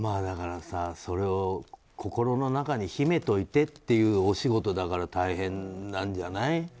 だからさ、それを心の中に秘めといてってお仕事だから大変なんじゃない？